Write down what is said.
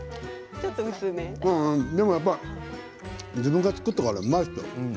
でもやっぱり自分が作ったからうまい。